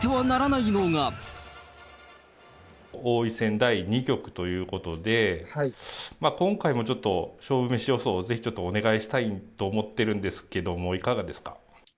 第２局ということで、今回もちょっと、勝負メシ予想をぜひちょっと、お願いしたいと思ってるんですけども、いかがですか。